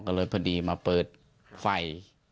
ก็เลยพอดีมาเปิดไฟ